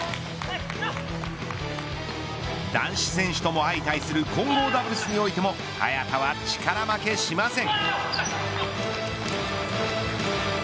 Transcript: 男子選手とも相対する混合ダブルスにおいても早田は力負けしません。